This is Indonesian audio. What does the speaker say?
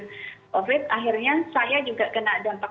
oke akhirnya saya juga kena dampaknya ikut harus karantina mandiri dan